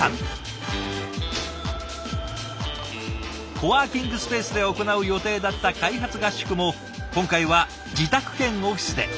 コワーキングスペースで行う予定だった開発合宿も今回は自宅兼オフィスで。